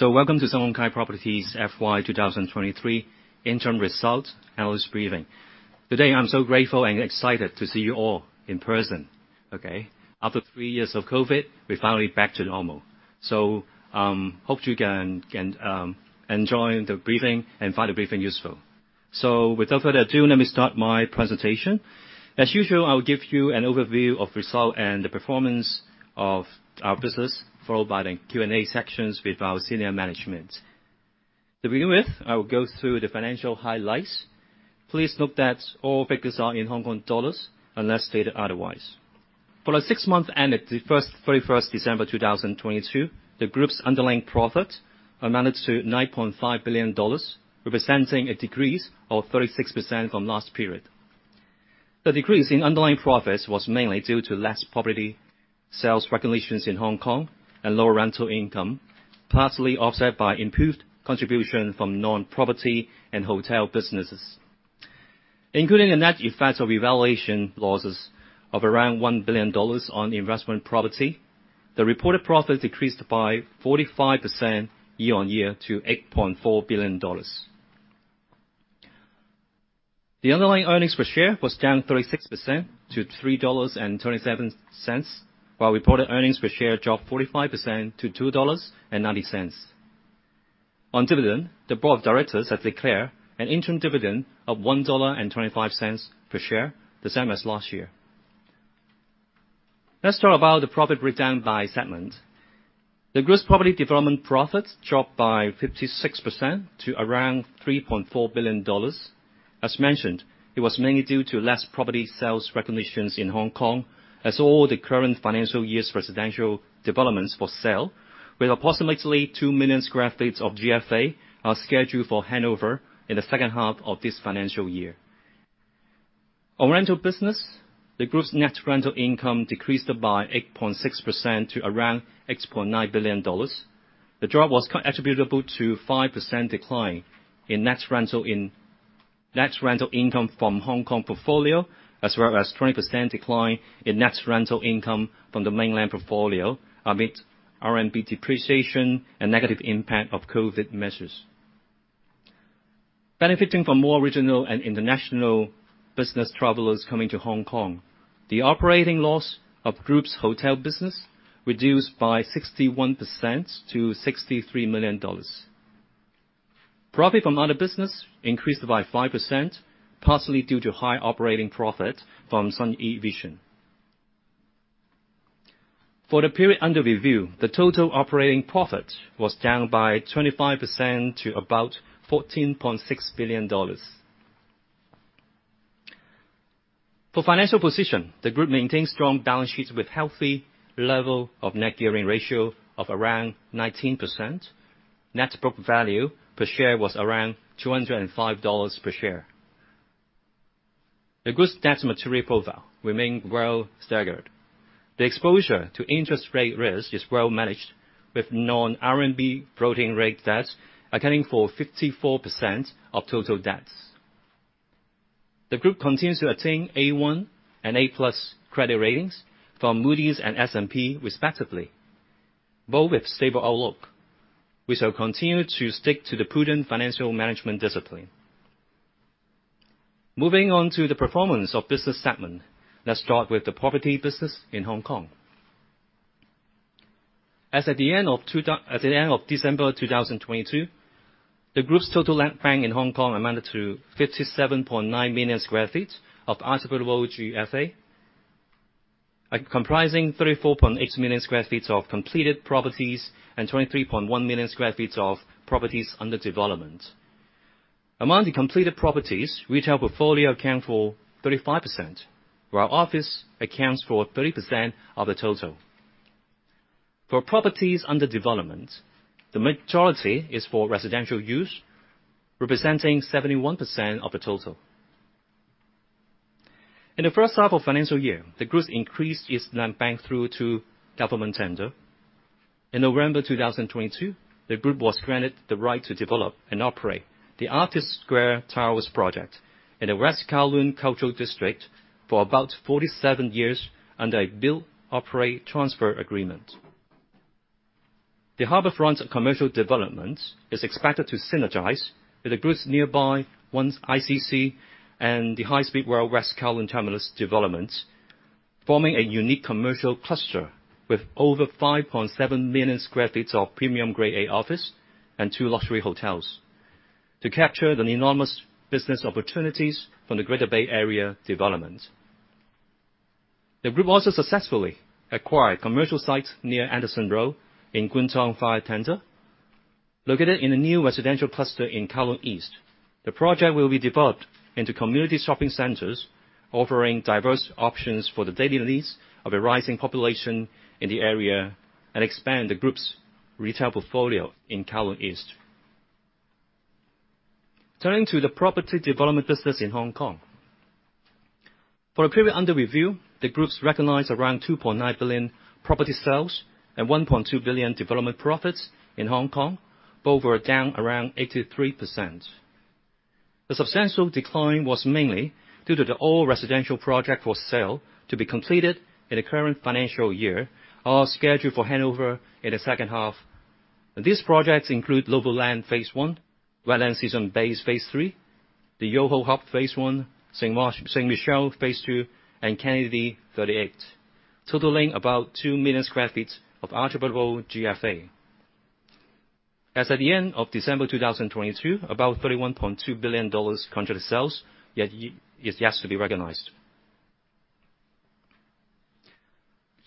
Welcome to Sun Hung Kai Properties FY 2023 interim result analyst briefing. Today, I'm so grateful and excited to see you all in person, okay? After three years of COVID, we're finally back to normal. Hope you can enjoy the briefing and find the briefing useful. Without further ado, let me start my presentation. As usual, I will give you an overview of result and the performance of our business, followed by the Q&A sections with our senior management. To begin with, I will go through the financial highlights. Please note that all figures are in Hong Kong dollars unless stated otherwise. For the six months ended the 31st December 2022, the group's underlying profit amounted to 9.5 billion dollars, representing a decrease of 36% from last period. The decrease in underlying profits was mainly due to less property sales recognitions in Hong Kong and lower rental income, partially offset by improved contribution from non-property and hotel businesses. Including the net effect of evaluation losses of around 1 billion dollars on the investment property, the reported profit decreased by 45% year-over-year to HKD 8.4 billion. The underlying earnings per share was down 36% to 3.27 dollars, while reported earnings per share dropped 45% to 2.90 dollars. On dividend, the board of directors have declared an interim dividend of 1.25 dollar per share, the same as last year. Let's talk about the profit breakdown by segment. The group's property development profits dropped by 56% to around 3.4 billion dollars. As mentioned, it was mainly due to less property sales recognitions in Hong Kong, as all the current financial year's residential developments for sale, with approximately 2 million sq ft of GFA are scheduled for handover in the second half of this financial year. On rental business, the group's net rental income decreased by 8.6% to around 8.9 billion dollars. The drop was attributable to 5% decline in net rental income from Hong Kong portfolio, as well as 20% decline in net rental income from the mainland portfolio, amid RMB depreciation and negative impact of COVID measures. Benefiting from more regional and international business travelers coming to Hong Kong, the operating loss of group's hotel business reduced by 61% to 63 million dollars. Profit from other business increased by 5%, partially due to high operating profit from SUNeVision. For the period under review, the total operating profit was down by 25% to about HKD 14.6 billion. For financial position, the group maintained strong balance sheets with healthy level of net gearing ratio of around 19%. Net book value per share was around 205 dollars per share. The group's debt maturity profile remain well staggered. The exposure to interest rate risk is well managed, with non-RMB floating rate debts accounting for 54% of total debts. The group continues to attain A.1 and A+ credit ratings from Moody's and S&P respectively, both with stable outlook. We shall continue to stick to the prudent financial management discipline. Moving on to the performance of business segment. Let's start with the property business in Hong Kong. As at the end of December 2022, the group's total land bank in Hong Kong amounted to 57.9 million sq ft of attributable GFA, comprising 34.8 million sq ft of completed properties and 23.1 million sq ft of properties under development. Among the completed properties, retail portfolio account for 35%, while office accounts for 30% of the total. For properties under development, the majority is for residential use, representing 71% of the total. In the first half of financial year, the group increased its land bank through to government tender. In November 2022, the group was granted the right to develop and operate the Artist Square Towers project in the West Kowloon Cultural District for about 47 years under a build-operate-transfer agreement. The harborfront commercial development is expected to synergize with the group's nearby One ICC and the High Speed Rail West Kowloon Terminus developments, forming a unique commercial cluster with over 5.7 million sq ft of premium Grade A office and two luxury hotels to capture the enormous business opportunities from the Greater Bay Area development. The group also successfully acquired commercial sites near Anderson Road in Kwun Tong 5 Tender. Located in a new residential cluster in Kowloon East, the project will be developed into community shopping centers, offering diverse options for the daily needs of a rising population in the area and expand the group's retail portfolio in Kowloon East. Turning to the property development business in Hong Kong. For the period under review, the groups recognize around 2.9 billion property sales and 1.2 billion development profits in Hong Kong, both were down around 83%. The substantial decline was mainly due to the all residential project for sale to be completed in the current financial year, all scheduled for handover in the second half. These projects include NOVOLAND phase I, Wetland Seasons Bay phase III, the YOHO Hub phase I, St Michel phase II, and Kennedy 38, totaling about 2 million sq ft of attributable GFA. As at the end of December 2022, about 31.2 billion dollars contract sales is yet to be recognized.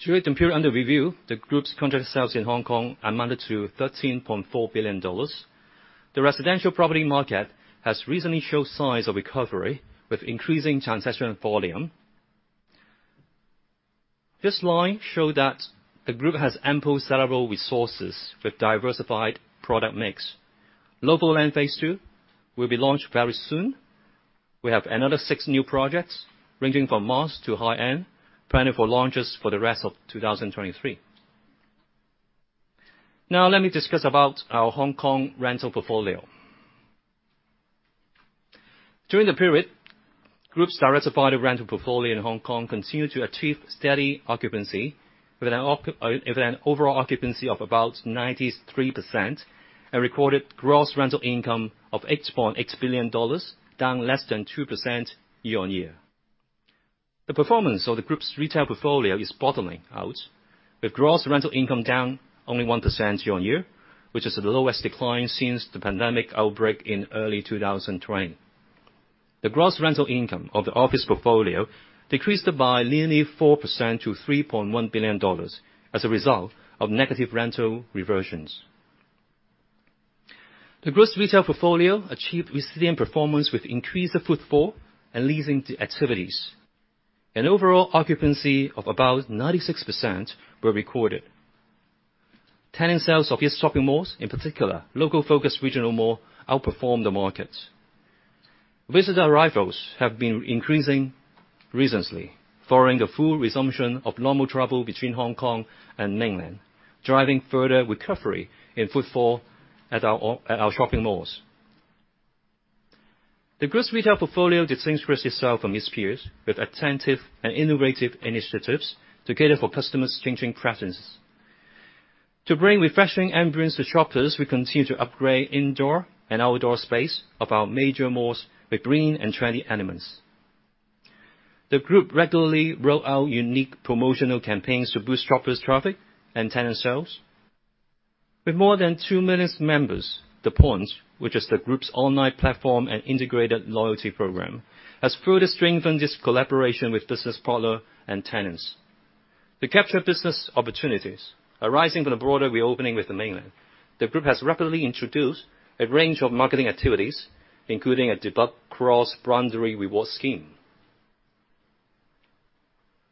During the period under review, the group's contract sales in Hong Kong amounted to HKD 13.4 billion. The residential property market has recently showed signs of recovery with increasing transaction volume. This line show that the Group has ample sellable resources with diversified product mix. Local land phase two will be launched very soon. We have another six new projects ranging from mass to high-end planned for launches for the rest of 2023. Let me discuss about our Hong Kong rental portfolio. During the period, Group's diversified rental portfolio in Hong Kong continued to achieve steady occupancy with an overall occupancy of about 93% and recorded gross rental income of 8.8 billion dollars, down less than 2% year-on-year. The performance of the Group's retail portfolio is bottoming out, with gross rental income down only 1% year-on-year, which is the lowest decline since the pandemic outbreak in early 2020. The gross rental income of the office portfolio decreased by nearly 4% to 3.1 billion dollars as a result of negative rental reversions. The gross retail portfolio achieved resilient performance with increased footfall and leasing activities. An overall occupancy of about 96% were recorded. Tenant sales of its shopping malls, in particular, local focused regional mall outperformed the market. Visitor arrivals have been increasing recently following the full resumption of normal travel between Hong Kong and Mainland, driving further recovery in footfall at our shopping malls. The gross retail portfolio distinguishes itself from its peers with attentive and innovative initiatives to cater for customers' changing preferences. To bring refreshing ambience to shoppers, we continue to upgrade indoor and outdoor space of our major malls with green and trendy elements. The group regularly roll out unique promotional campaigns to boost shoppers' traffic and tenant sales. With more than 2 million members, The Point, which is the group's online platform and integrated loyalty program, has further strengthened its collaboration with business partner and tenants. To capture business opportunities arising from the broader reopening with the Mainland, the group has rapidly introduced a range of marketing activities, including a Greater Bay Area cross-boundary reward scheme.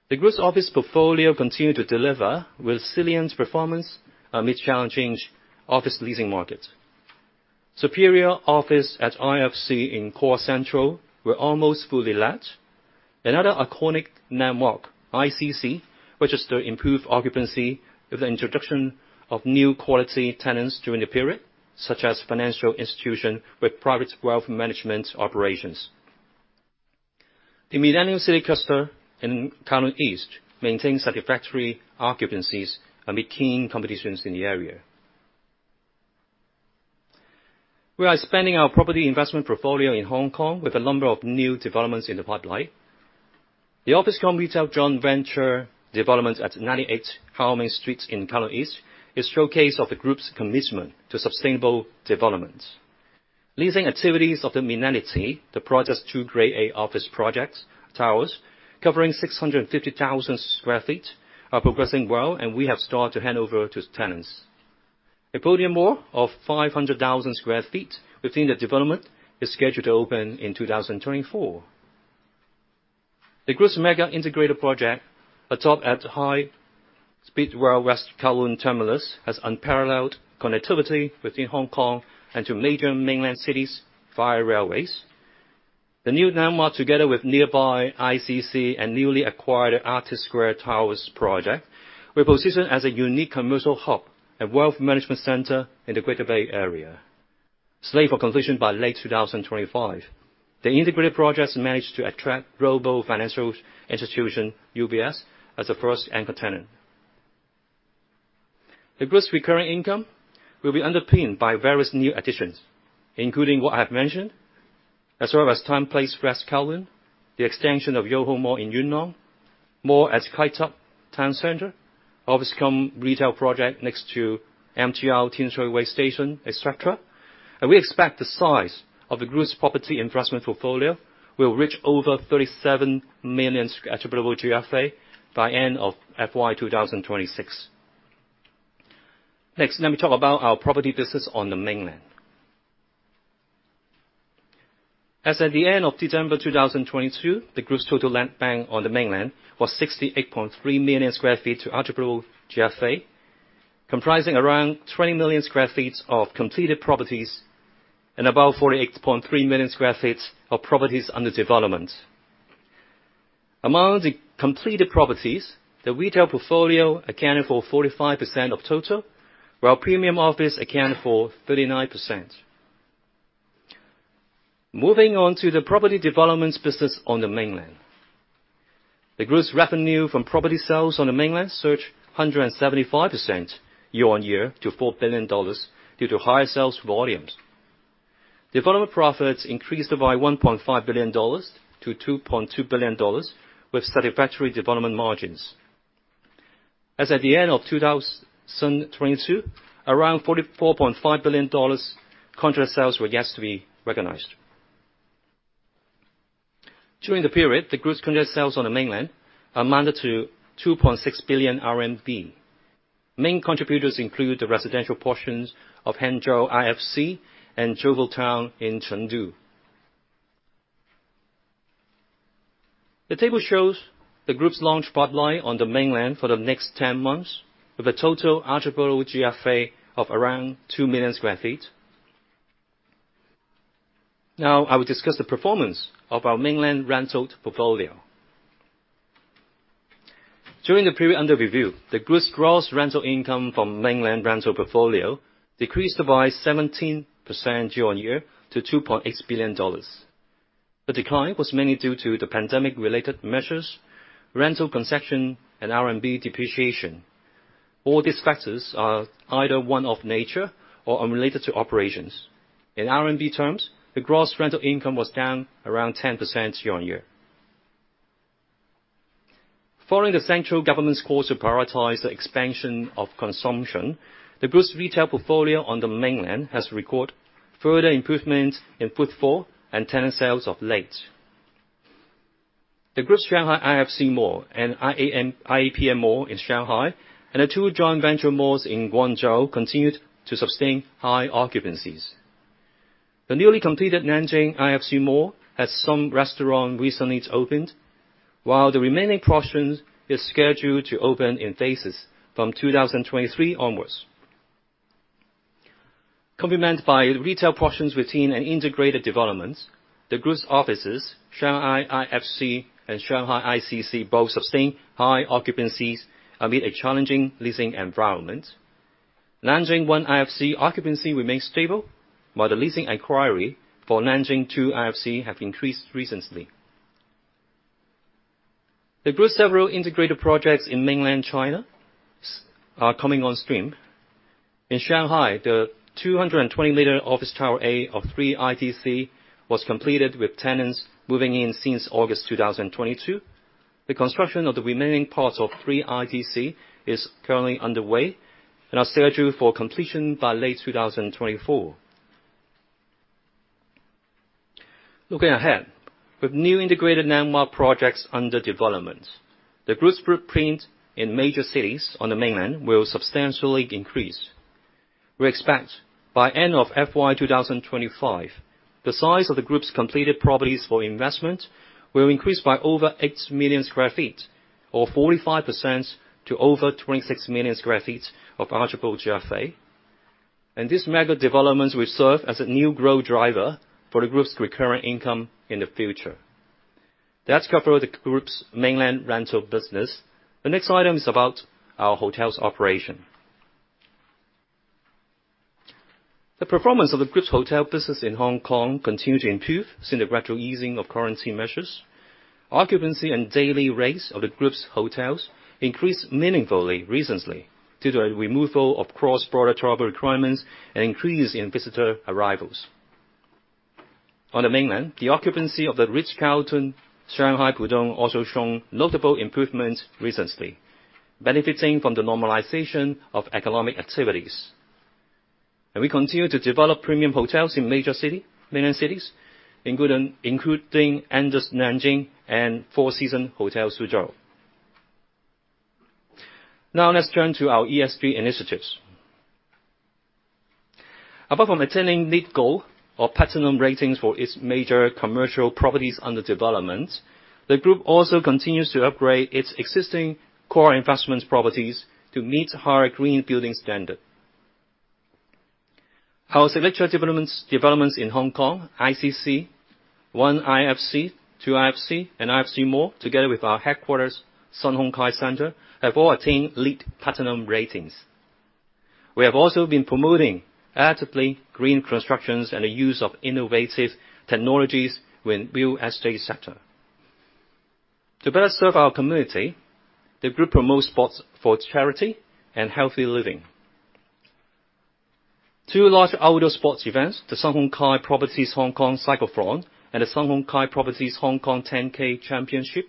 The group's office portfolio continued to deliver resilient performance amid challenging office leasing market. Superior office at IFC in Core Central were almost fully let. Another iconic landmark, ICC, registered improved occupancy with the introduction of new quality tenants during the period, such as financial institution with private wealth management operations. The Millennium City cluster in Kowloon East maintains satisfactory occupancies amid keen competitions in the area. We are expanding our property investment portfolio in Hong Kong with a number of new developments in the pipeline. The office-cum-retail joint venture development at 98 How Ming Street in Kowloon East is showcase of the group's commitment to sustainable development. Leasing activities of the Millennium City, the project's two Grade A office projects, towers, covering 650,000 sq ft are progressing well, and we have started to hand over to tenants. A podium mall of 500,000 sq ft within the development is scheduled to open in 2024. The group's mega integrated project atop at high speed rail West Kowloon Terminus has unparalleled connectivity within Hong Kong and to major mainland cities via railways. The new landmark, together with nearby ICC and newly acquired Artist Square Towers Project, we're positioned as a unique commercial hub and wealth management center in the Greater Bay Area. Slated for completion by late 2025, the integrated projects managed to attract global financial institution, UBS, as the first anchor tenant. The group's recurring income will be underpinned by various new additions, including what I have mentioned, as well as TOWNPLACE WEST KOWLOON, the extension of Yoho Mall in Yuen Long, mall at Kai Tak Town Centre, office-cum-retail project next to MTR Tin Shui Wai Station, et cetera. We expect the size of the group's property investment portfolio will reach over 37 million attributable GFA by end of FY 2026. Next, let me talk about our property business on the Mainland. As at the end of December 2022, the group's total land bank on the mainland was 68.3 million sq ft attributable GFA, comprising around 20 million sq ft of completed properties and about 48.3 million sq ft of properties under development. Among the completed properties, the retail portfolio accounted for 45% of total, while premium office accounted for 39%. Moving on to the property developments business on the mainland. The group's revenue from property sales on the mainland searched 175% year-on-year to HKD 4 billion due to higher sales volumes. Development profits increased by HKD 1.5 billion-HKD 2.2 billion with satisfactory development margins. As at the end of 2022, around HKD 44.5 billion contract sales were yet to be recognized. During the period, the group's contract sales on the mainland amounted to 2.6 billion RMB. Main contributors include the residential portions of Hangzhou IFC and JOVOTOWN in Chengdu. The table shows the group's launch pipeline on the mainland for the next 10 months with a total attributable GFA of around 2 million sq ft. I will discuss the performance of our mainland rental portfolio. During the period under review, the group's gross rental income from mainland rental portfolio decreased by 17% year-on-year to HKD 2.8 billion. The decline was mainly due to the pandemic-related measures, rental concession and RMB depreciation. All these factors are either one of nature or unrelated to operations. In RMB terms, the gross rental income was down around 10% year-on-year. Following the central government's call to prioritize the expansion of consumption, the group's retail portfolio on the mainland has record further improvements in footfall and tenant sales of late. The group's Shanghai IFC Mall and iapm mall in Shanghai and the two joint venture malls in Guangzhou continued to sustain high occupancies. The newly completed Nanjing IFC Mall has some restaurant recently opened, while the remaining portion is scheduled to open in phases from 2023 onwards. Complemented by retail portions within an integrated development, the group's offices, Shanghai IFC and Shanghai ICC, both sustain high occupancies amid a challenging leasing environment. Nanjing One IFC occupancy remains stable while the leasing inquiry for Nanjing Two IFC have increased recently. The group's several integrated projects in mainland China are coming on stream. In Shanghai, the 220-liter office tower A of Three ITC was completed with tenants moving in since August 2022. The construction of the remaining parts of Three ITC is currently underway and are scheduled for completion by late 2024. Looking ahead, with new integrated landmark projects under development, the group's footprint in major cities on the mainland will substantially increase. We expect by end of FY 2025, the size of the group's completed properties for investment will increase by over 8 million sq ft or 45% to over 26 million sq ft of attributable GFA. This mega development will serve as a new growth driver for the group's recurrent income in the future. That's cover the group's mainland rental business. The next item is about our hotels operation. The performance of the group's hotel business in Hong Kong continued to improve since the gradual easing of quarantine measures. Occupancy and daily rates of the group's hotels increased meaningfully recently due to a removal of cross-border travel requirements and increase in visitor arrivals. On the mainland, the occupancy of The Ritz-Carlton, Shanghai Pudong also shown notable improvement recently, benefiting from the normalization of economic activities. We continue to develop premium hotels in major mainland cities, including Andaz Nanjing and Four Seasons Hotel Suzhou. Let's turn to our ESG initiatives. Apart from attaining LEED gold or platinum ratings for its major commercial properties under development, the group also continues to upgrade its existing core investment properties to meet higher green building standard. Our selective developments in Hong Kong, ICC, One IFC, Two IFC, and IFC Mall, together with our headquarters, Sun Hung Kai Centre, have all attained LEED Platinum ratings. We have also been promoting actively green constructions and the use of innovative technologies when we as a sector. To better serve our community, the group promotes spots for charity and healthy living. Two large outdoor sports events, the Sun Hung Kai Properties Hong Kong Cyclothon and the Sun Hung Kai Properties Hong Kong 10k Championships,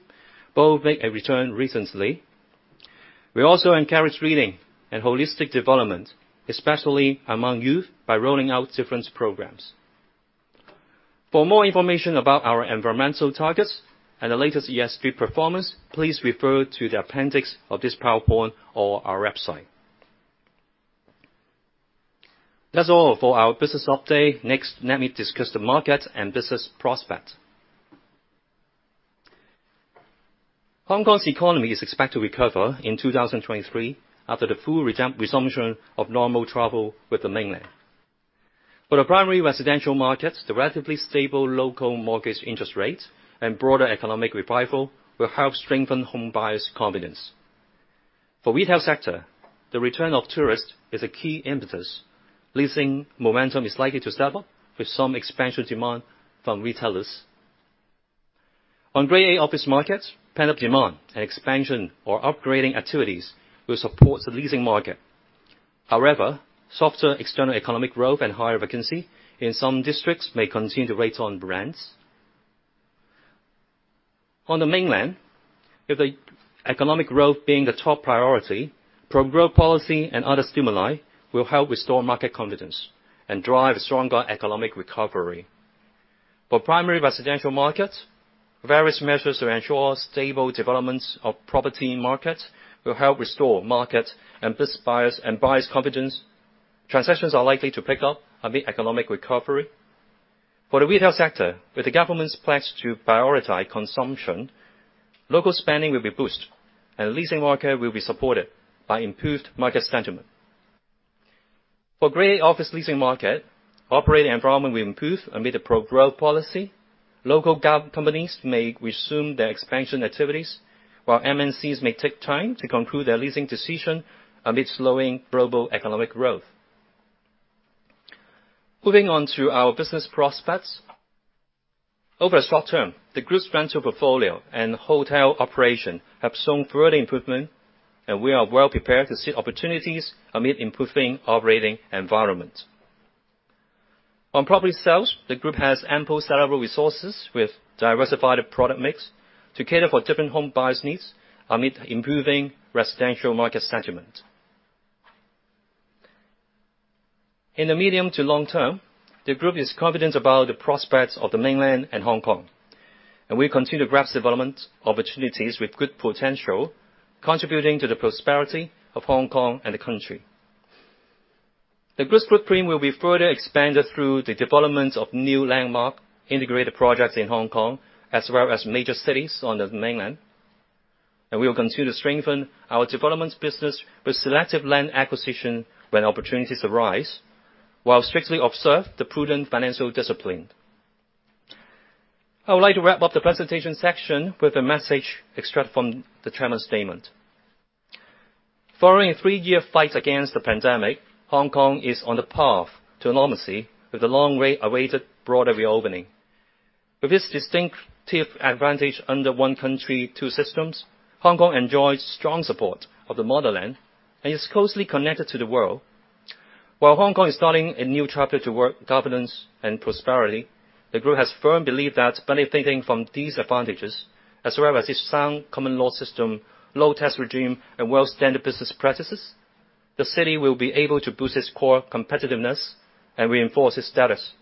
both make a return recently. We also encourage reading and holistic development, especially among youth, by rolling out different programs. For more information about our environmental targets and the latest ESG performance, please refer to the appendix of this PowerPoint or our website. That's all for our business update. Let me discuss the market and business prospect. Hong Kong's economy is expected to recover in 2023 after the full resumption of normal travel with the mainland. For the primary residential markets, the relatively stable local mortgage interest rates and broader economic revival will help strengthen home buyers' confidence. For retail sector, the return of tourists is a key impetus. Leasing momentum is likely to stable with some expansion demand from retailers. On Grade A office markets, pent-up demand and expansion or upgrading activities will support the leasing market. However, softer external economic growth and higher vacancy in some districts may continue to weigh on rents. On the mainland, with the economic growth being the top priority, pro-growth policy and other stimuli will help restore market confidence and drive stronger economic recovery. For primary residential markets, various measures to ensure stable developments of property markets will help restore market and boost buyers' confidence. Transactions are likely to pick up amid economic recovery. For the retail sector, with the government's pledge to prioritize consumption, local spending will be boosted, and the leasing market will be supported by improved market sentiment. For Grade A office leasing market, operating environment will improve amid the pro-growth policy. Local gov companies may resume their expansion activities, while MNCs may take time to conclude their leasing decision amidst slowing global economic growth. Moving on to our business prospects. Over the short term, the group's rental portfolio and hotel operation have shown further improvement, and we are well-prepared to seize opportunities amid improving operating environment. On property sales, the group has ample sellable resources with diversified product mix to cater for different home buyers' needs amid improving residential market sentiment. In the medium to long term, the group is confident about the prospects of the Mainland and Hong Kong. We continue to grasp development opportunities with good potential, contributing to the prosperity of Hong Kong and the country. The group's footprint will be further expanded through the development of new landmark integrated projects in Hong Kong, as well as major cities on the Mainland. We will continue to strengthen our development business with selective land acquisition when opportunities arise, while strictly observe the prudent financial discipline. I would like to wrap up the presentation section with a message extract from the chairman's statement. Following a three-year fight against the pandemic, Hong Kong is on the path to normalcy with the long way awaited broader reopening. With this distinctive advantage under One Country, Two Systems, Hong Kong enjoys strong support of the motherland and is closely connected to the world. While Hong Kong is starting a new chapter to work, governance, and prosperity, the group has firm belief that benefiting from these advantages, as well as its sound common law system, low-tax regime, and world standard business practices, the city will be able to boost its core competitiveness and reinforce its status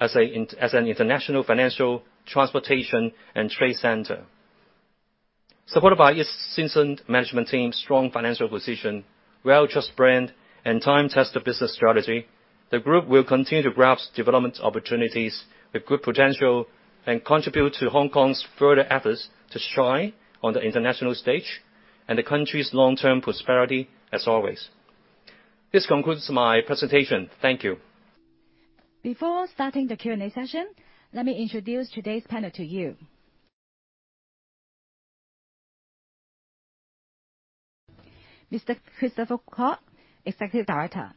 as an international financial transportation and trade center. Supported by its seasoned management team, strong financial position, well-trusted brand, and time-tested business strategy, the group will continue to grasp development opportunities with good potential and contribute to Hong Kong's further efforts to shine on the international stage and the country's long-term prosperity as always. This concludes my presentation. Thank you. Before starting the Q&A session, let me introduce today's panel to you. Mr. Christopher Kwok, Executive Director.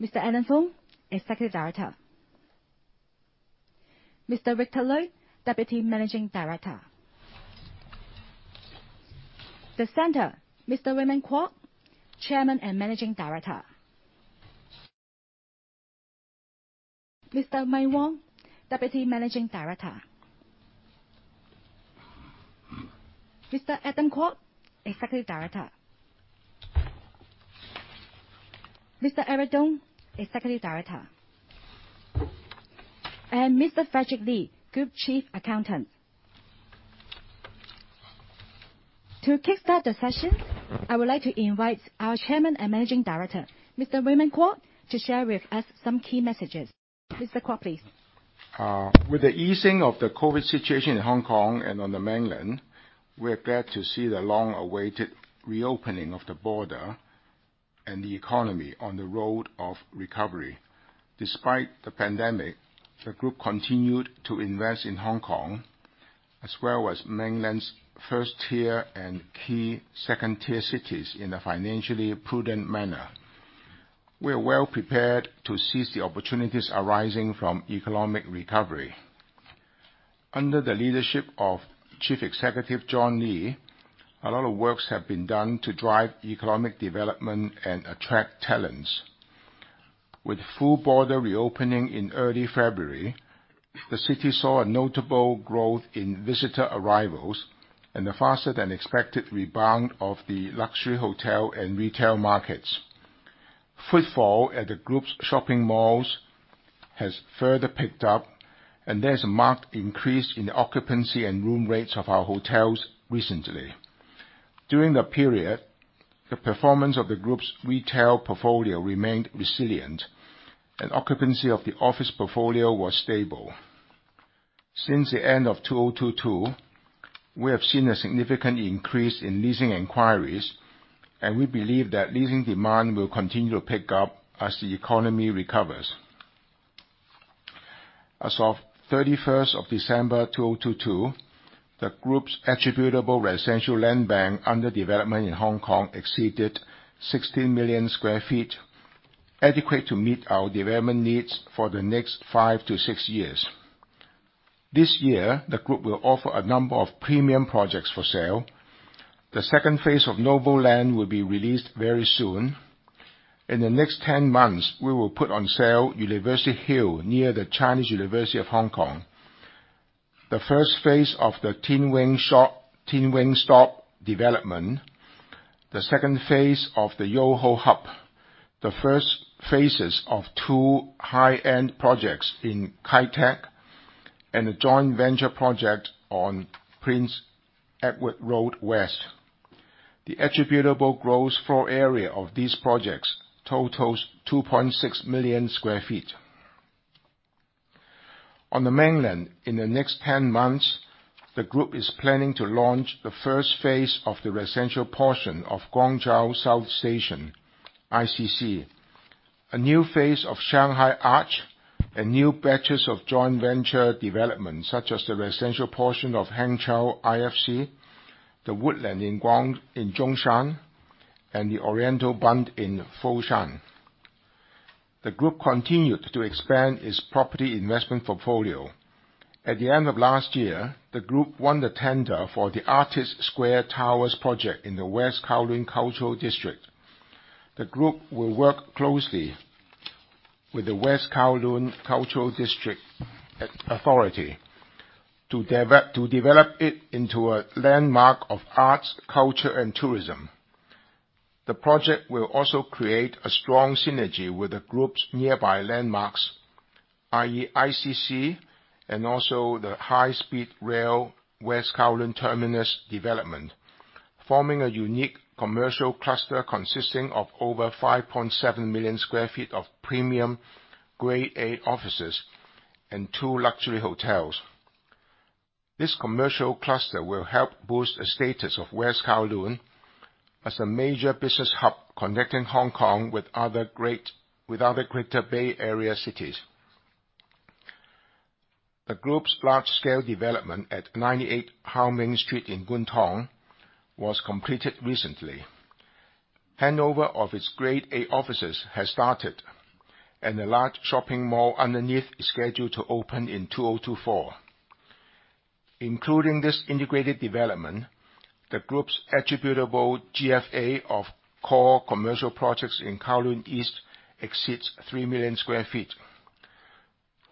Mr. Allen Fung, Executive Director. Mr. Victor Lui, Deputy Managing Director. The center, Mr. Raymond Kwok, Chairman and Managing Director. Mr. Mike Wong, Deputy Managing Director. Mr. Adam Kwok, Executive Director. Mr. Eric Tung, Executive Director. Mr. Frederick Li, Group Chief Accountant. To kickstart the session, I would like to invite our Chairman and Managing Director, Mr. Raymond Kwok, to share with us some key messages. Mr. Kwok, please. With the easing of the COVID situation in Hong Kong and on the Mainland, we are glad to see the long-awaited reopening of the border and the economy on the road of recovery. Despite the pandemic, the group continued to invest in Hong Kong as well as Mainland's first-tier and key second-tier cities in a financially prudent manner. We are well prepared to seize the opportunities arising from economic recovery. Under the leadership of Chief Executive John Lee, a lot of works have been done to drive economic development and attract talents. With full border reopening in early February, the city saw a notable growth in visitor arrivals and a faster than expected rebound of the luxury hotel and retail markets. Footfall at the group's shopping malls has further picked up, and there's a marked increase in the occupancy and room rates of our hotels recently. During the period, the performance of the group's retail portfolio remained resilient, and occupancy of the office portfolio was stable. Since the end of 2022, we have seen a significant increase in leasing inquiries, and we believe that leasing demand will continue to pick up as the economy recovers. As of 31st of December 2022, the group's attributable residential land bank under development in Hong Kong exceeded 60 million sq ft, adequate to meet our development needs for the next five to six years. This year, the group will offer a number of premium projects for sale. The second phase of NOVOLAND will be released very soon. In the next 10 months, we will put on sale University Hill near The Chinese University of Hong Kong. The first phase of the Tin Wing Stop development, the second phase of the Yoho Hub, the first phases of two high-end projects in Kai Tak, and a joint venture project on Prince Edward Road West. The attributable gross floor area of these projects totals 2.6 million sq ft. On the mainland, in the next 10 months, the group is planning to launch the first phase of the residential portion of Guangzhou South Station, ICC. A new phase of Shanghai Arch and new batches of joint venture development, such as the residential portion of Hangzhou IFC, The Woodland in Zhongshan, and the Oriental Bund in Foshan. The group continued to expand its property investment portfolio. At the end of last year, the group won the tender for the Artist Square Towers Project in the West Kowloon Cultural District. The group will work closely with the West Kowloon Cultural District Authority to develop it into a landmark of arts, culture and tourism. The project will also create a strong synergy with the group's nearby landmarks, i.e. ICC and also the high-speed rail West Kowloon terminus development, forming a unique commercial cluster consisting of over 5.7 million sq ft of premium Grade A offices and two luxury hotels. This commercial cluster will help boost the status of West Kowloon as a major business hub connecting Hong Kong with other Greater Bay Area cities. The group's large-scale development at 98 How Ming Street in Kwun Tong was completed recently. Handover of its Grade A offices has started, and a large shopping mall underneath is scheduled to open in 2024. Including this integrated development, the group's attributable GFA of core commercial projects in Kowloon East exceeds 3 million sq ft.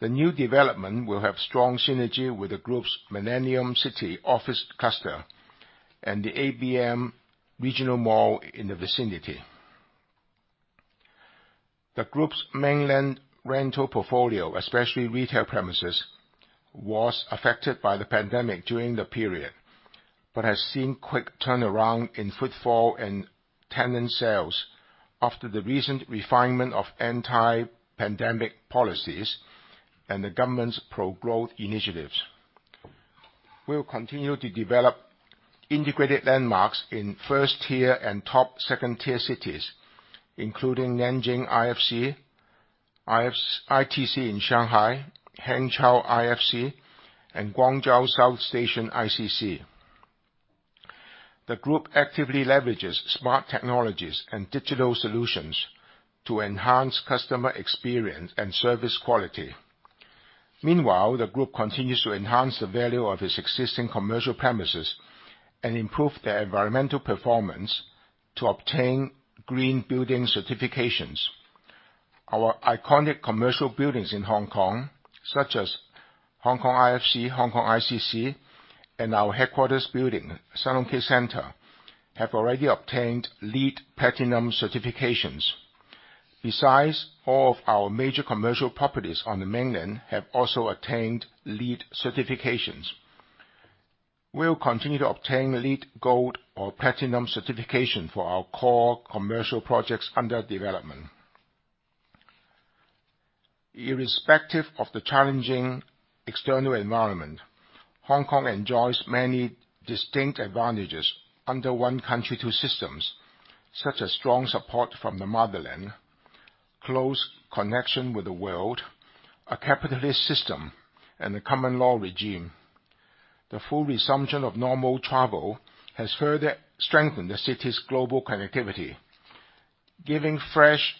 The new development will have strong synergy with the group's Millennium City office cluster and the apm regional mall in the vicinity. The group's mainland rental portfolio, especially retail premises, was affected by the pandemic during the period, but has seen quick turnaround in footfall and tenant sales after the recent refinement of anti-pandemic policies and the government's pro-growth initiatives. We will continue to develop integrated landmarks in first-tier and top second-tier cities, including Nanjing IFC, ITC in Shanghai, Hangzhou IFC, and Guangzhou South Station ICC. The group actively leverages smart technologies and digital solutions to enhance customer experience and service quality. Meanwhile, the group continues to enhance the value of its existing commercial premises and improve their environmental performance to obtain green building certifications. Our iconic commercial buildings in Hong Kong, such as Hong Kong IFC, Hong Kong ICC, and our headquarters building, Sun Hung Kai Centre, have already obtained LEED Platinum certifications. Besides, all of our major commercial properties on the mainland have also attained LEED certifications. We will continue to obtain LEED Gold or Platinum certification for our core commercial projects under development. Irrespective of the challenging external environment, Hong Kong enjoys many distinct advantages under One Country, Two Systems, such as strong support from the motherland, close connection with the world, a capitalist system, and a common law regime. The full resumption of normal travel has further strengthened the city's global connectivity, giving fresh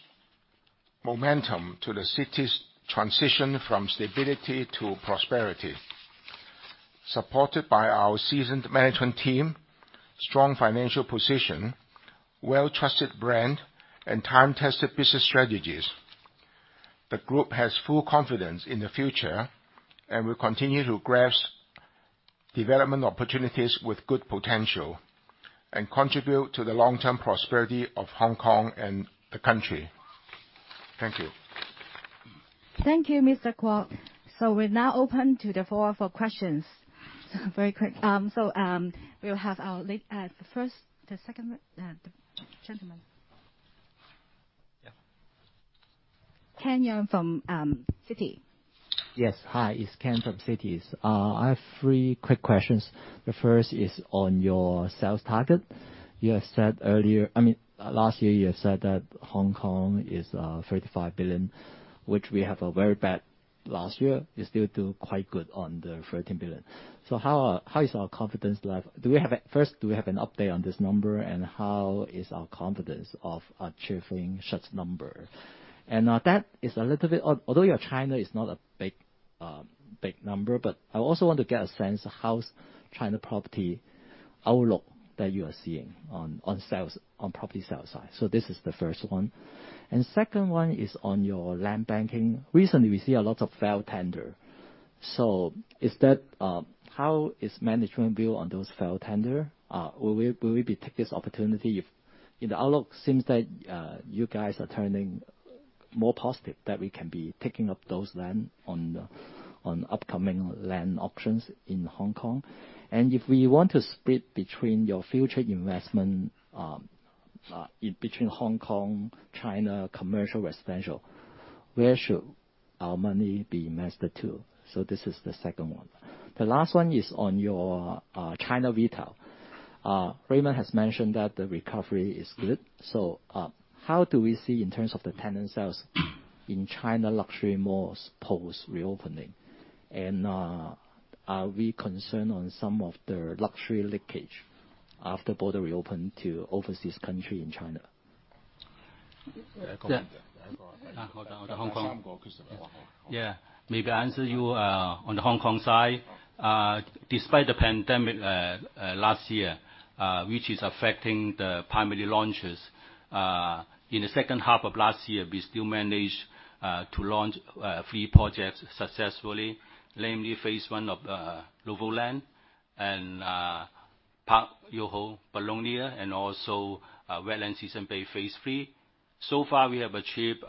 momentum to the city's transition from stability to prosperity. Supported by our seasoned management team, strong financial position, well-trusted brand, and time-tested business strategies, the group has full confidence in the future, and will continue to grasp development opportunities with good potential and contribute to the long-term prosperity of Hong Kong and the country. Thank you. Thank you, Mr. Kwok. We're now open to the floor for questions. Very quick. We will have our the second the gentleman. Ken Yeung from Citi. Yes. Hi, it's Ken from Citi. I have three quick questions. The first is on your sales target. You had said earlier... I mean, last year you had said that Hong Kong is 35 billion, which we have a very bad last year, you still do quite good on the 13 billion. How is our confidence level? First, do we have an update on this number, and how is our confidence of achieving such number? Now that is a little bit... although your China is not a big number, but I also want to get a sense of how's China property outlook that you are seeing on property sales side. This is the first one. Second one is on your land banking. Recently, we see a lot of failed tender. Is that how is management view on those failed tender? Will we be take this opportunity if in the outlook seems that you guys are turning more positive that we can be taking up those land on upcoming land auctions in Hong Kong? If we want to split between your future investment between Hong Kong, China, commercial, residential, where should our money be invested to? This is the second one. The last one is on your China retail. Raymond has mentioned that the recovery is good. How do we see in terms of the tenant sales in China luxury malls post-reopening? Are we concerned on some of the luxury leakage after border reopen to overseas country in China? Yeah. Maybe I answer you on the Hong Kong side. Despite the pandemic last year, which is affecting the primary launches in the second half of last year, we still managed to launch three projects successfully. Namely, phase I of NOVO LAND and Park YOHO Bologna, and also Wetland Seasons Bay phase III. We have achieved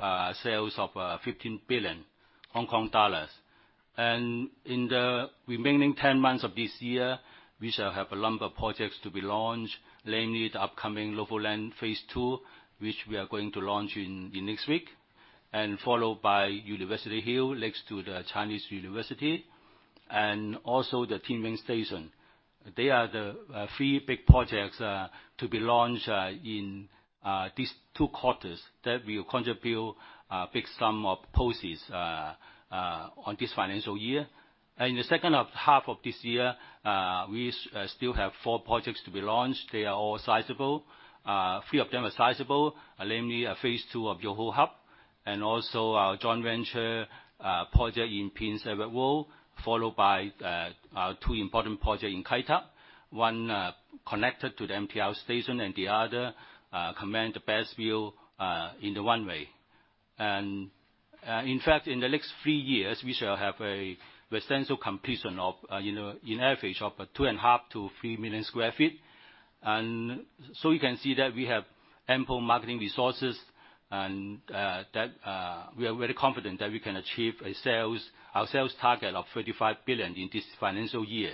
sales of 15 billion Hong Kong dollars. In the remaining 10 months of this year, we shall have a number of projects to be launched, namely the upcoming NOVO LAND phase Two, which we are going to launch in next week, and followed by University Hill next to the Chinese University, and also the Tin Shui Wai Station. They are the three big projects to be launched in these two quarters that will contribute big sum of POSIs on this financial year. In the second half of this year, we still have four projects to be launched. They are all sizable. Three of them are sizable, namely a phase II of YOHO Hub, and also our joint venture project in Ping Shek Estate, followed by two important project in Kai Tak. One, connected to the MTR station and the other command the best view in the one way. In fact, in the next three years we shall have a residential completion of, you know, an average of two and a half to three million square feet. You can see that we have ample marketing resources and that we are very confident that we can achieve our sales target of 35 billion in this financial year.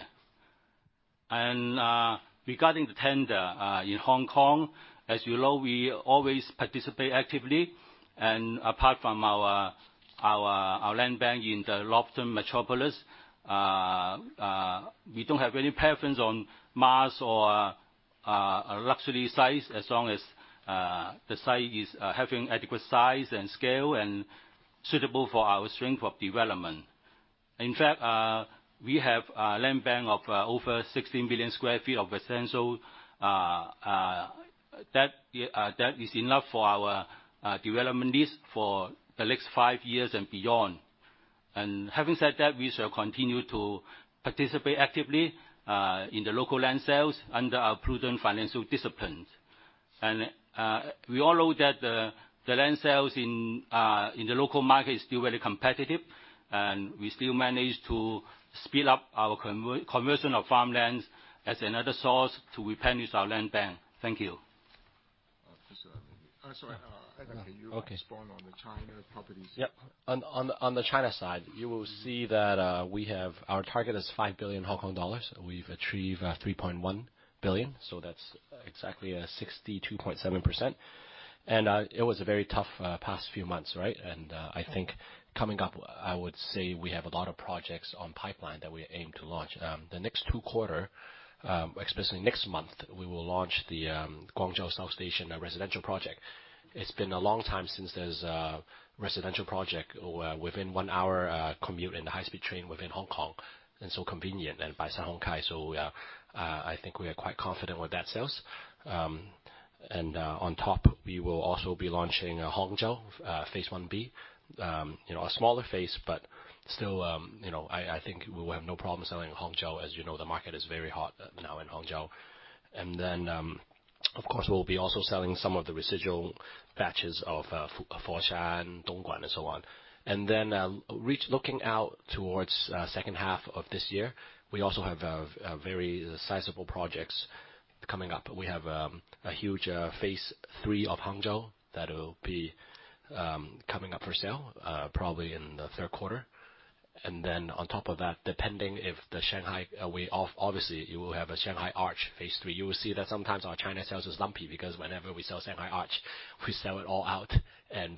Regarding the tender in Hong Kong, as you know, we always participate actively. Apart from our land bank in the Northern Metropolis, we don't have any preference on mass or a luxury size as long as the site is having adequate size and scale and suitable for our strength of development. In fact, we have a land bank of over 16 million sq ft of residential that is enough for our development list for the next five years and beyond. Having said that, we shall continue to participate actively in the local land sales under our prudent financial disciplines. We all know that the land sales in the local market is still very competitive, and we still manage to speed up our conversion of farmlands as another source to replenish our land bank. Thank you. Uh, so, uh- Sorry. Okay. You want to expand on the China properties. Yep. On the China side, you will see that our target is 5 billion Hong Kong dollars. We've achieved 3.1 billion, that's exactly 62.7%. It was a very tough past few months, right? I think coming up, I would say we have a lot of projects on pipeline that we aim to launch. The next two quarter, especially next month, we will launch the Guangzhou South Station, a residential project. It's been a long time since there's a residential project within one hour commute in the high-speed train within Hong Kong, and so convenient and by Zhuhai. We are, I think we are quite confident with that sales. On top we will also be launching a Hangzhou phase Ib. you know, a smaller phase, but still, you know, I think we will have no problem selling Hangzhou as you know the market is very hot now in Hangzhou. Of course, we'll be also selling some of the residual batches of Foshan, Dongguan and so on. Looking out towards second half of this year, we also have a very sizable projects coming up. We have a huge phase III of Hangzhou that will be coming up for sale probably in the third quarter. On top of that, depending if the Shanghai away off, obviously, you will have a Shanghai Arch phase III. You will see that sometimes our China sales is lumpy because whenever we sell Shanghai Arch, we sell it all out and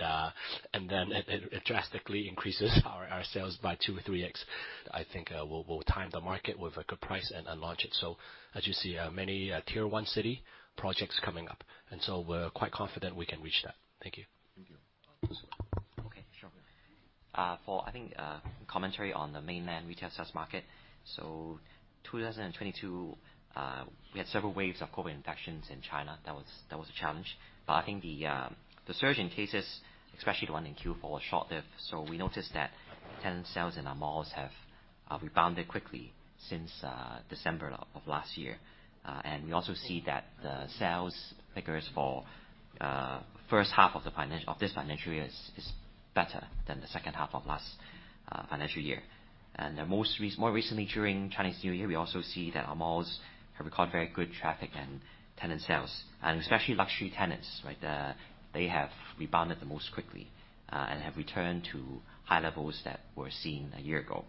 then it drastically increases our sales by 2, 3x. I think, we'll time the market with a good price and launch it. As you see, many, Tier 1 city projects coming up, and so we're quite confident we can reach that. Thank you. Thank you. Okay, sure. For I think commentary on the mainland retail sales market. 2022, we had several waves of COVID infections in China. That was a challenge. I think the surge in cases, especially the one in Q4, was short-lived. We noticed that tenant sales in our malls have rebounded quickly since December of last year. We also see that the sales figures for first half of this financial year is better than the second half of last financial year. More recently during Chinese New Year, we also see that our malls have recorded very good traffic and tenant sales, and especially luxury tenants, right? They have rebounded the most quickly and have returned to high levels that were seen a year ago.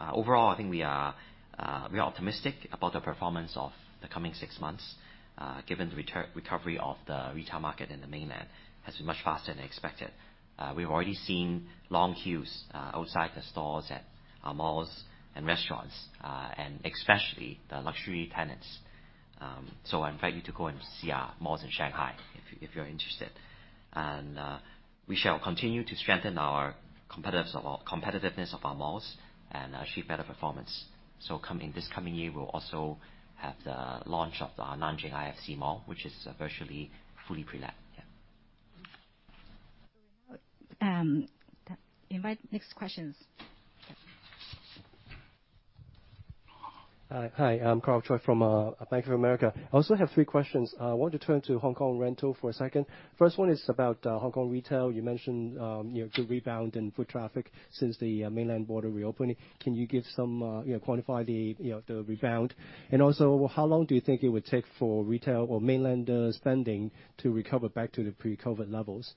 Overall, I think we are optimistic about the performance of the coming six months, given the recovery of the retail market in the mainland has been much faster than expected. We've already seen long queues outside the stores at our malls and restaurants, and especially the luxury tenants. I invite you to go and see our malls in Shanghai if you're interested. We shall continue to strengthen our competitiveness of our malls and achieve better performance. This coming year, we'll also have the launch of the Nanjing IFC Mall, which is virtually fully prelet. Yeah. invite next questions. Yeah. Hi. I'm Karl Choi from Bank of America. I also have three questions. I want to turn to Hong Kong rental for a second. First one is about Hong Kong retail. You mentioned, you know, good rebound in foot traffic since the mainland border reopening. Can you give some, you know, quantify the, you know, the rebound? Also, how long do you think it would take for retail or mainlanders' spending to recover back to the pre-COVID levels?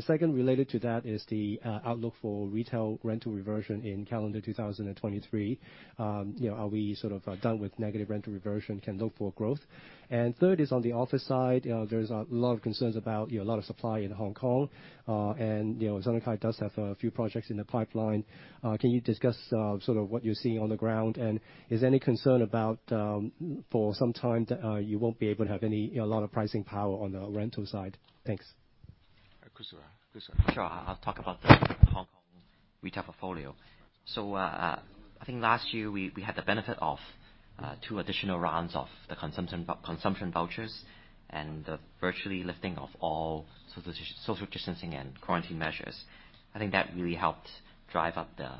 Second related to that is the outlook for retail rental reversion in calendar 2023. You know, are we sort of done with negative rental reversion, can look for growth? Third is on the office side, there's a lot of concerns about, you know, a lot of supply in Hong Kong. You know, Sun Hung Kai does have a few projects in the pipeline. Can you discuss, sort of what you're seeing on the ground? Is there any concern about, for some time that, you won't be able to have any, you know, a lot of pricing power on the rental side? Thanks. Sure. I'll talk about the Hong Kong retail portfolio. I think last year we had the benefit of two additional rounds of the consumption vouchers and the virtually lifting of all social distancing and quarantine measures. I think that really helped drive up the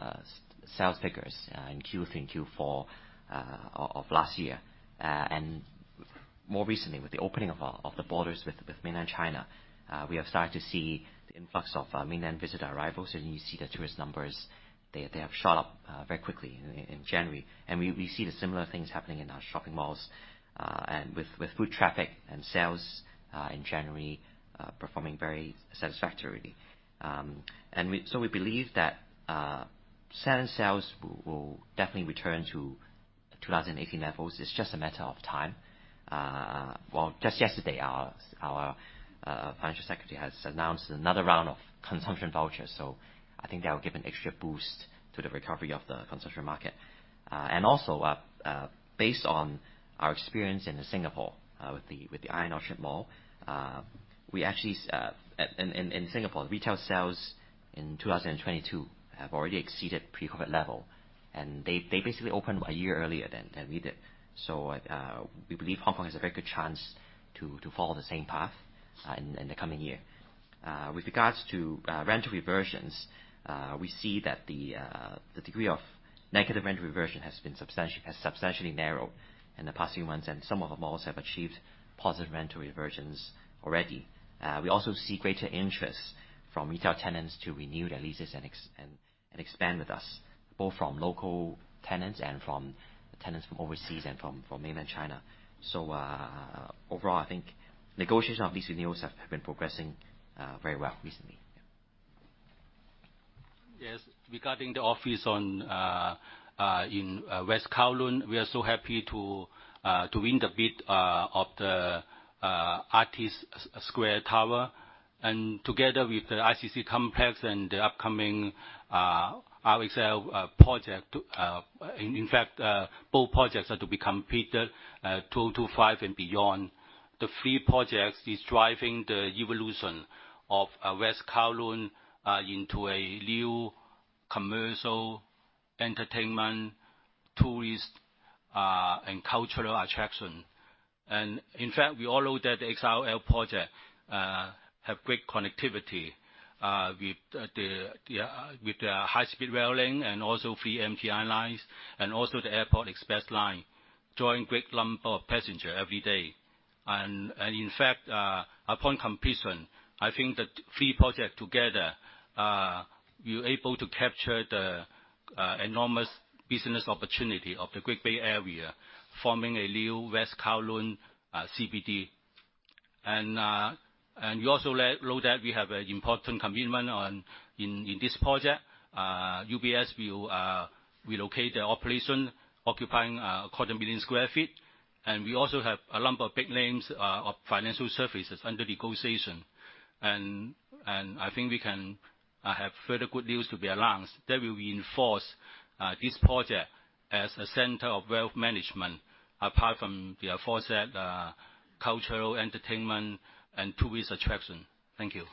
sales figures in Q3 and Q4 of last year. More recently, with the opening of the borders with mainland China, we have started to see the influx of mainland visitor arrivals, and you see the tourist numbers. They have shot up very quickly in January. We see the similar things happening in our shopping malls and with foot traffic and sales in January performing very satisfactorily. We believe that certain sales will definitely return to 2018 levels. It's just a matter of time. Well, just yesterday our financial secretary has announced another round of consumption vouchers, so I think that will give an extra boost to the recovery of the consumption market. And also, based on our experience in Singapore, with the Ion Orchard Mall, we actually, in Singapore, retail sales in 2022 have already exceeded pre-COVID level, and they basically opened a year earlier than we did. We believe Hong Kong has a very good chance to follow the same path in the coming year. With regards to rental reversions, we see that the degree of negative rental reversion has substantially narrowed in the past few months. Some of the malls have achieved positive rental reversions already. We also see greater interest from retail tenants to renew their leases and expand with us, both from local tenants and from tenants from overseas and from mainland China. Overall, I think negotiation of lease renewals have been progressing very well recently. Yes. Regarding the office on West Kowloon, we are so happy to win the bid of the Artist Square Towers Project. Together with the ICC Complex and the upcoming XRL project, in fact, both projects are to be completed 2025 and beyond. The three projects is driving the evolution of West Kowloon into a new commercial entertainment tourist and cultural attraction. In fact, we all know that the XRL project have great connectivity with the high-speed rail link and also 3 MTR lines, and also the Airport Express line drawing great lump of passenger every day. In fact, upon completion, I think the three project together, we're able to capture the enormous business opportunity of the Greater Bay Area, forming a new West Kowloon, CBD. You also let know that we have an important commitment on, in this project. UBS will relocate their operation occupying 250,000 sq ft. We also have a number of big names of financial services under negotiation. I think we can have further good news to be announced that will reinforce this project as a center of wealth management, apart from the aforesaid cultural entertainment and tourist attraction. Thank you.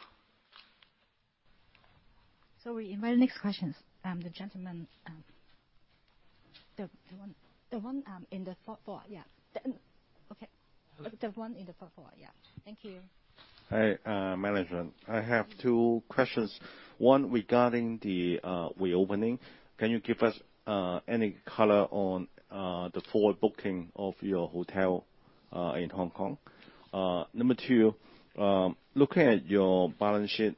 We invite next questions. The gentleman... The one, in the front four. Yeah. Okay. The one in the front four. Yeah. Thank you. Hi, management. I have two questions. One regarding the reopening. Can you give us any color on the forward booking of your hotel in Hong Kong? Number two, looking at your balance sheet,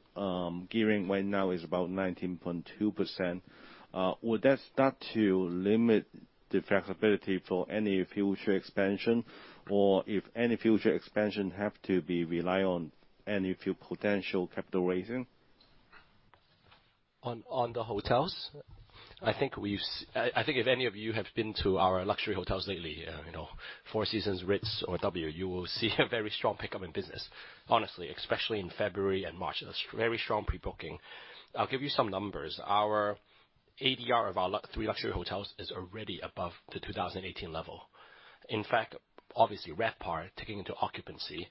gearing right now is about 19.2%. Will that start to limit the flexibility for any future expansion? If any future expansion have to be rely on any few potential capital raising? On the hotels, I think we've I think if any of you have been to our luxury hotels lately, you know, Four Seasons, Ritz, or W, you will see a very strong pickup in business, honestly, especially in February and March. There's very strong pre-booking. I'll give you some numbers. Our ADR of our three luxury hotels is already above the 2018 level. In fact, obviously, RevPAR taking into occupancy,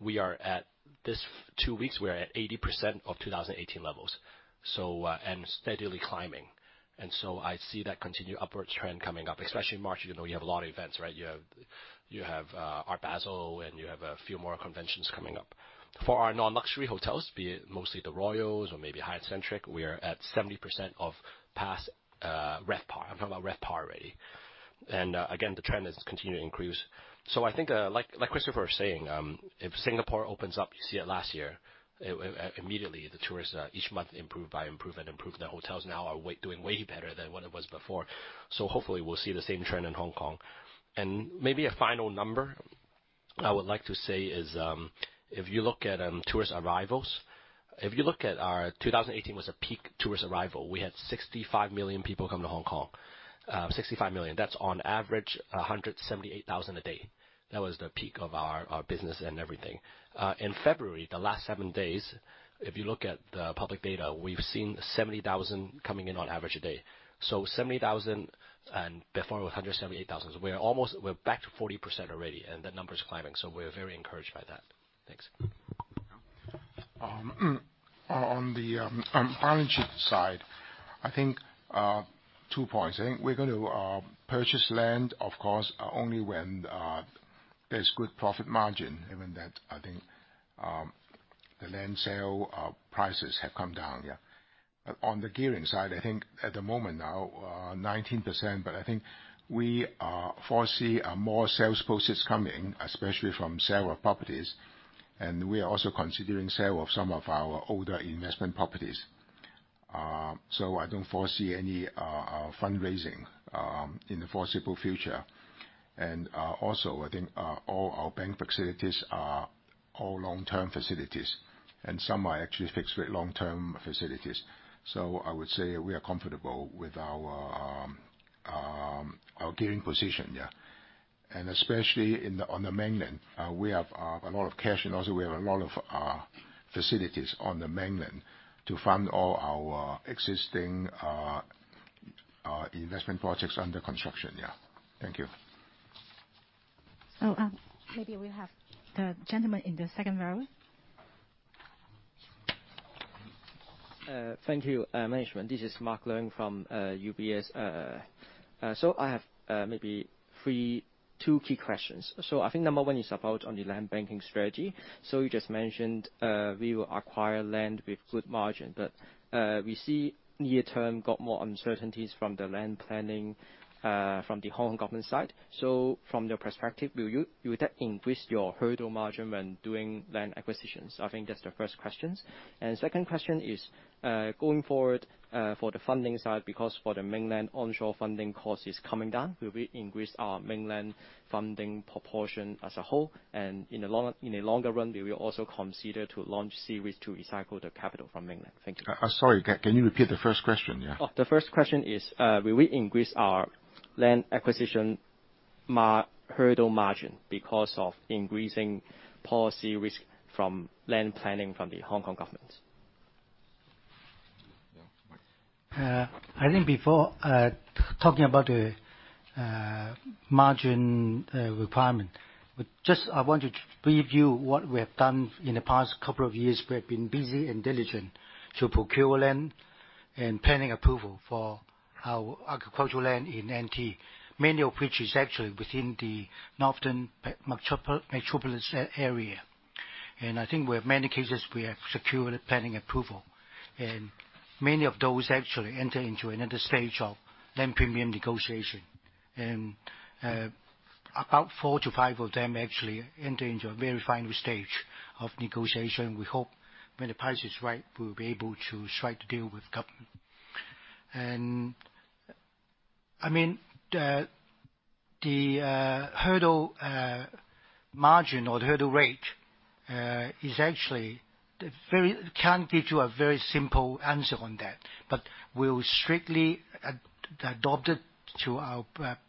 we are at, this two weeks we are at 80% of 2018 levels, and steadily climbing. I see that continued upward trend coming up, especially March, you know, you have a lot of events, right? You have Art Basel, and you have a few more conventions coming up. For our non-luxury hotels, be it mostly the Royals or maybe Hyatt Centric, we are at 70% of past RevPAR. I'm talking about RevPAR already. Again, the trend is continuing to increase. I think, like Christopher was saying, if Singapore opens up, you see it last year, immediately the tourists each month improve by improve and improve. The hotels now are doing way better than what it was before. Hopefully we'll see the same trend in Hong Kong. Maybe a final number I would like to say is, if you look at tourist arrivals, if you look at our 2018 was a peak tourist arrival. We had 65 million people come to Hong Kong. 65 million. That's on average 178,000 a day. That was the peak of our business and everything. In February, the last seven days, if you look at the public data, we've seen 70,000 coming in on average a day. 70,000 and before it was 178,000. We're almost, we're back to 40% already, and the number's climbing. We're very encouraged by that. Thanks. On the, on balance sheet side, I think, two points. I think we're going to purchase land, of course, only when there's good profit margin. Given that, I think, the land sale, prices have come down, yeah. On the gearing side, I think at the moment now, 19%, but I think we are foresee, more sales process coming, especially from sale of properties. We are also considering sale of some of our older investment properties. I don't foresee any fundraising in the foreseeable future. Also I think, all our bank facilities are all long-term facilities, and some are actually fixed-rate long-term facilities. I would say we are comfortable with our gearing position, yeah. Especially in the, on the mainland, we have a lot of cash and also we have a lot of facilities on the mainland to fund all our existing investment projects under construction, yeah. Thank you. Maybe we have the gentleman in the second row. Thank you, management. This is Mark Leung from UBS. I have maybe three, two key questions. I think number one is about on the land banking strategy. You just mentioned, we will acquire land with good margin, but we see near term got more uncertainties from the land planning, from the Hong Kong government side. From your perspective, will you, will that increase your hurdle margin when doing land acquisitions? I think that's the first questions. Second question is, going forward, for the funding side, because for the mainland onshore funding cost is coming down, will we increase our mainland funding proportion as a whole? In the long, in the longer run, will you also consider to launch series to recycle the capital from mainland? Thank you. Sorry, can you repeat the first question? Yeah. Oh, the first question is, will we increase our land acquisition hurdle margin because of increasing policy risk from land planning from the Hong Kong government? Yeah, Mike. I think before talking about the margin requirement, I just want to brief you what we have done in the past couple of years. We have been busy and diligent to procure land and planning approval for our agricultural land in NT, many of which is actually within the Northern Metropolis area. I think we have many cases we have secured planning approval. Many of those actually enter into another stage of land premium negotiation. About four to five of them actually enter into a very final stage of negotiation. We hope when the price is right, we will be able to strike the deal with government. I mean, the the hurdle margin or the hurdle rate is actually very. Can't give you a very simple answer on that, but we'll strictly adopt it to our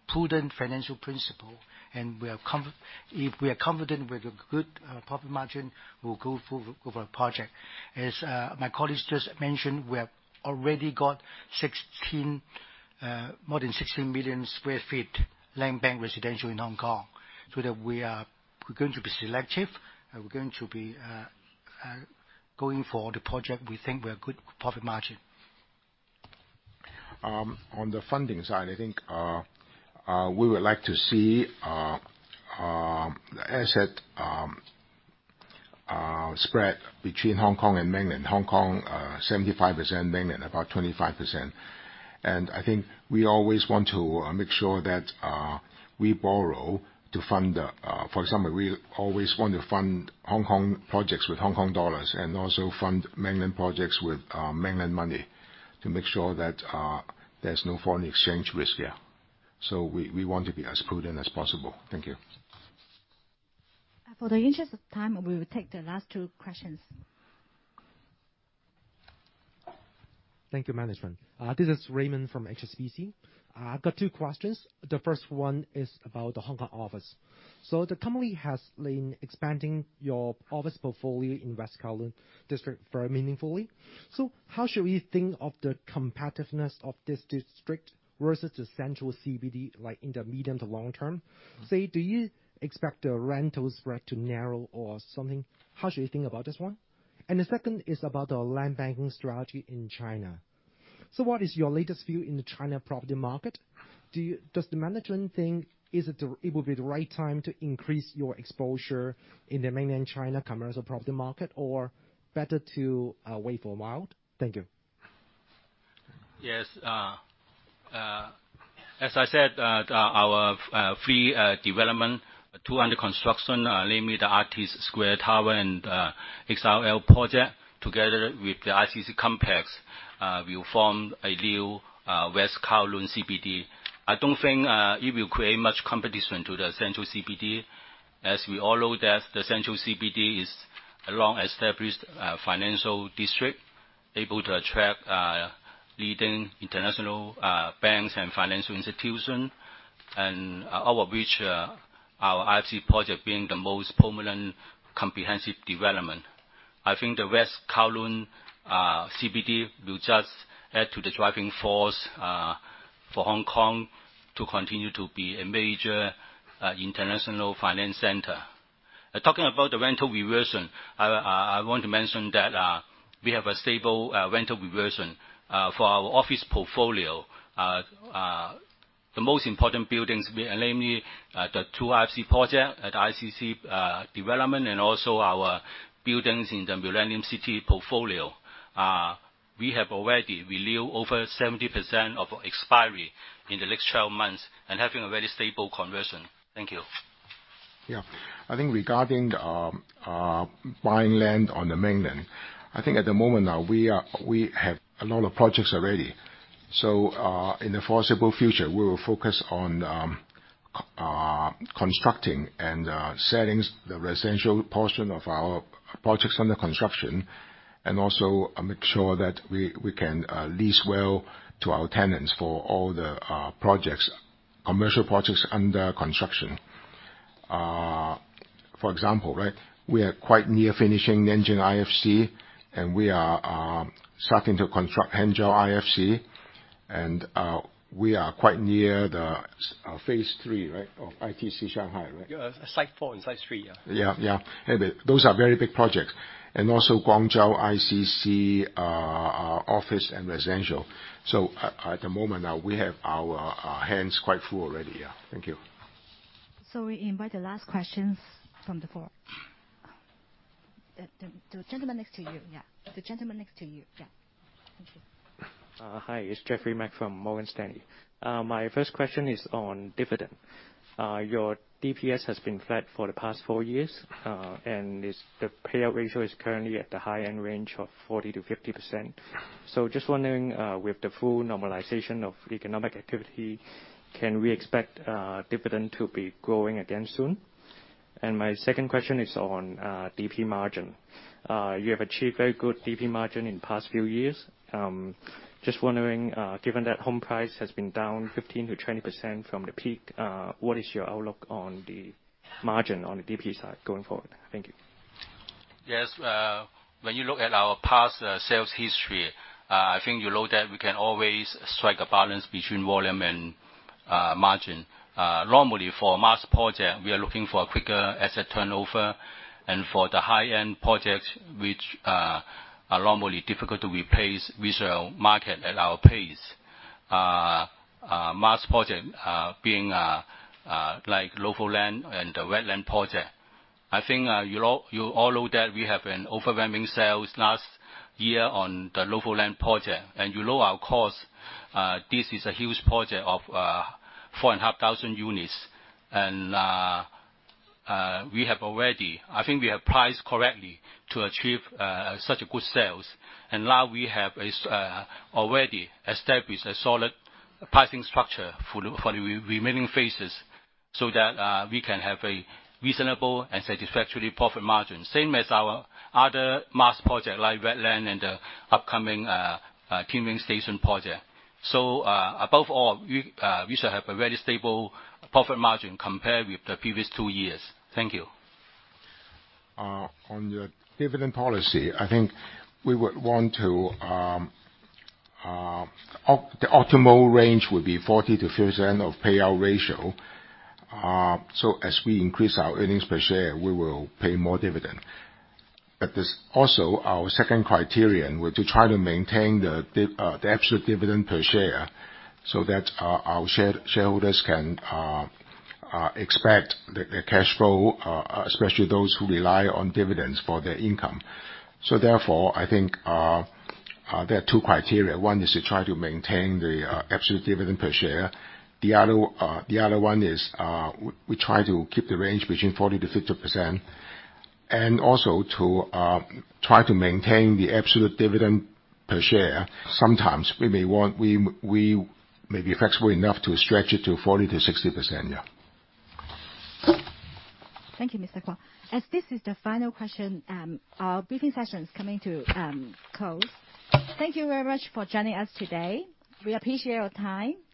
prudent financial principle, and we are confident with a good profit margin, we'll go for the project. As my colleague just mentioned, we have already got more than 16 million sq ft land bank residential in Hong Kong. We are going to be selective, and we're going to be going for the project we think were good profit margin. On the funding side, I think we would like to see the asset spread between Hong Kong and Mainland. Hong Kong, 75%, Mainland about 25%. I think we always want to make sure that we borrow to fund the... For example, we always want to fund Hong Kong projects with Hong Kong dollars, and also fund Mainland projects with Mainland money to make sure that there's no foreign exchange risk there. We want to be as prudent as possible. Thank you. For the interest of time, we will take the last two questions. Thank you, Management. This is Raymond from HSBC. I've got two questions. The first one is about the Hong Kong office. The company has been expanding your office portfolio in West Kowloon District very meaningfully. How should we think of the competitiveness of this district versus the central CBD, like in the medium to long term? Say, do you expect the rental spread to narrow or something? How should we think about this one? The second is about the land banking strategy in China. What is your latest view in the China property market? Does the management think, it would be the right time to increase your exposure in the Mainland China commercial property market, or better to wait for a while? Thank you. Yes. As I said, our free development, two under construction, namely the Artist Square Tower and XRL project, together with the ICC complex, will form a new West Kowloon CBD. I don't think it will create much competition to the central CBD, as we all know that the central CBD is a long-established financial district, able to attract leading international banks and financial institution. Out of which, our IFC project being the most prominent comprehensive development. I think the West Kowloon CBD will just add to the driving force for Hong Kong to continue to be a major international finance center. Talking about the rental reversion, I want to mention that we have a stable rental reversion for our office portfolio. The most important buildings, namely, the two IFC project at ICC development and also our buildings in the Millennium City portfolio. We have already renew over 70% of expiry in the next 12 months, and having a very stable conversion. Thank you. I think regarding buying land on the Mainland, I think at the moment now we have a lot of projects already. In the foreseeable future, we will focus on constructing and selling the residential portion of our projects under construction. Also, make sure that we can lease well to our tenants for all the projects, commercial projects under construction. For example, we are quite near finishing the Nanjing IFC, and we are starting to construct Hangzhou IFC. We are quite near phase III of ICC Shanghai, right? Yeah. site four and site three, yeah. Yeah, yeah. And those are very big projects. Also Guangzhou ICC are office and residential. At the moment now, we have our hands quite full already, yeah. Thank you. We invite the last questions from the floor. The gentleman next to you, yeah. Thank you. Hi. It's Jeffrey Mak from Morgan Stanley. My first question is on dividend. Your DPS has been flat for the past four years, and the payout ratio is currently at the high-end range of 40%-50%. Just wondering, with the full normalization of economic activity, can we expect dividend to be growing again soon? My second question is on DP margin. You have achieved very good DP margin in past few years. Just wondering, given that home price has been down 15%-20% from the peak, what is your outlook on the margin on the DP side going forward? Thank you. Yes. When you look at our past sales history, I think you know that we can always strike a balance between volume and margin. Normally, for mass project, we are looking for a quicker asset turnover. For the high-end projects, which are normally difficult to replace visual market at our pace. mass project being like NOVO LAND and seasons bay phase III. i think you all know that we have an overwhelming sales last year on the NOVO LAND project. You know our cost, this is a huge project of 4,500 units. We have already. I think we have priced correctly to achieve such a good sales. Now we have already established a solid pricing structure for the remaining phases, so that we can have a reasonable and satisfactory profit margin. Same as our other mass project, like Wetland and the upcoming Kam Sheung Road Station project. Above all, we should have a very stable profit margin compared with the previous 2 years. Thank you. On the dividend policy, I think we would want to, the optimal range would be 40%-50% of payout ratio. As we increase our earnings per share, we will pay more dividend. There's also our second criterion, we to try to maintain the absolute dividend per share, so that our shareholders can expect the cashflow, especially those who rely on dividends for their income. Therefore, I think there are two criteria. One is to try to maintain the absolute dividend per share. The other one is, we try to keep the range between 40%-50%, and also to try to maintain the absolute dividend per share. Sometimes we may want... We may be flexible enough to stretch it to 40%-60%, yeah. Thank you, Mr. Kwok. As this is the final question, our briefing session is coming to close. Thank you very much for joining us today. We appreciate your time. Thank you.